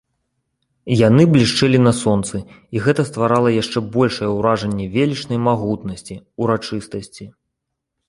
Яны блішчэлі на сонцы, і гэта стварала яшчэ большае ўражанне велічнай магутнасці, урачыстасці.